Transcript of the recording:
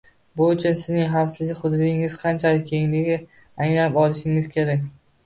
Bu uchun sizning xavfsiz hudud’ingiz qanchalar kengligini anglab olishingiz kerak